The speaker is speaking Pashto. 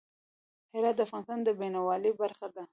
هرات د افغانستان د بڼوالۍ برخه ده.